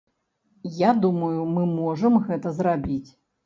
Я думаю, мы можам гэта зрабіць.